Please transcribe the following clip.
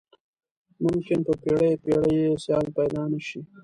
ممکن په پیړیو پیړیو یې سیال پيدا نه شي.